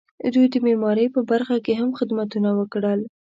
دوی د معمارۍ په برخه کې هم خدمتونه وکړل.